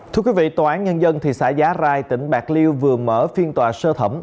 thưa quý vị tòa án nhân dân thị xã giá rai tỉnh bạc liêu vừa mở phiên tòa sơ thẩm